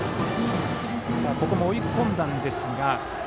ここも追い込んだんですが。